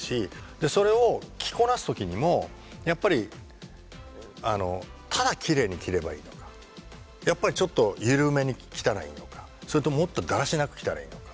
でそれを着こなす時にもやっぱりただきれいに着ればいいのかやっぱりちょっと緩めに着たらいいのかそれとももっとだらしなく着たらいいのか。